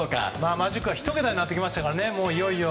マジックは１桁になってきましたから、いよいよ。